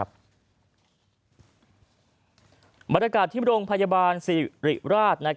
บรรยากาศที่โรงพยาบาลสิริราช